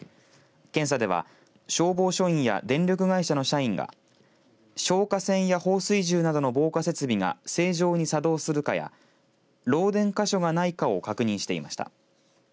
検査では消防署員や電力会社の社員が消火栓や放水銃などの防火設備が正常に作動するかや漏電か所がないかを確認していました。